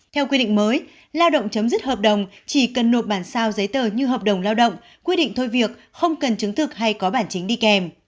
theo quy định mới lao động chấm dứt hợp đồng chỉ cần nộp bản sao giấy tờ như hợp đồng lao động quy định thôi việc không cần chứng thực hay có bản chính đi kèm